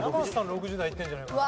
６０代いってるんじゃないかな。